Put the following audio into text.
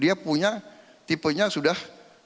dia punya tipenya sudah dua ratus delapan belas